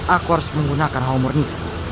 aku harus menggunakan hal murni